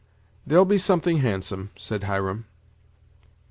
"They'll be something handsome," said Hiram.